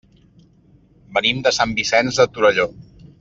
Venim de Sant Vicenç de Torelló.